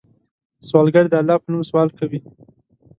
سوالګر د الله په نوم سوال کوي